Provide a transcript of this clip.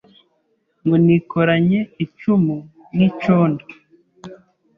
Ngo nikoranye icumu n’icondo